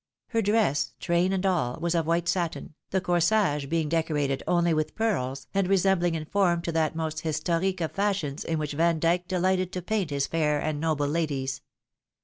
Her dress, train and all, was of white satin, the corsage being decorated only with pearls, and resembUng in form to that most historiqiie of fashions in which Vandyke dehghted to paint his fair and noble ladies.